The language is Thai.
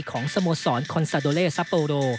สโมสรคอนซาโดเลซัปโปโร